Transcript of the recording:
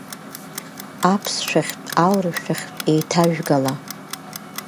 Аԥсшәахьтә аурышәахьтә еиҭажәгала.